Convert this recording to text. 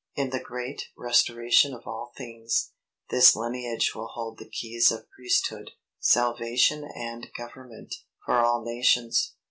In the great restoration of all things, this lineage will hold the keys of Priesthood, salvation and government, for all nations.